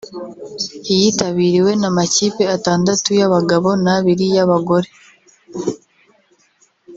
yitabiriwe n’amakipe atandatu y’abagabo n’abiri y’abagore